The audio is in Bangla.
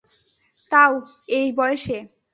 তাও, এই বয়সে।